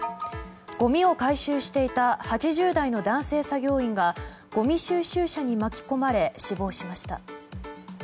ごみを回収していた８０代の男性作業員がごみ収集車に巻き込まれ死亡しました。